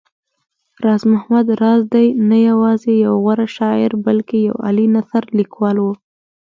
راز محمد راز دی نه يوازې يو غوره شاعر بلکې يو عالي نثرليکوال و